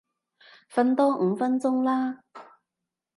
瞓多五分鐘啦